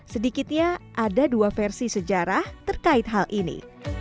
sedikitnya ada dua versi sejarah terkait hal ini